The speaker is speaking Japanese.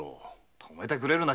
止めてくれるな。